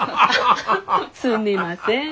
すみません。